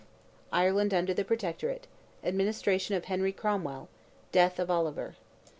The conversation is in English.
IRELAND UNDER THE PROTECTORATE—ADMINISTRATION OF HENRY CROMWELL—DEATH OF OLIVER.